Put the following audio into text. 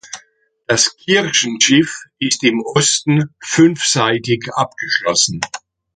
Das Kirchenschiff ist im Osten fünfseitig abgeschlossen.